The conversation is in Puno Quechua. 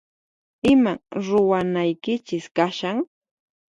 Iman ruwanaykichis kashan?